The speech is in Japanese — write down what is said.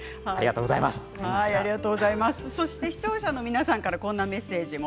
そして視聴者の皆さんからこんなメッセージも。